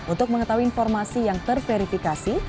untuk mengetahui informasi yang terverifikasi